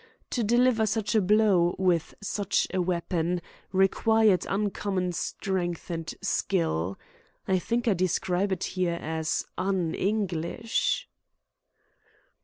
To deliver such a blow, with such a weapon, required uncommon strength and skill. I think I describe it here as 'un English.'"